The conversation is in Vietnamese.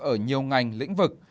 ở nhiều ngành lĩnh vực